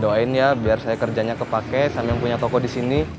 doain ya biar saya kerjanya kepake sambil punya toko di sini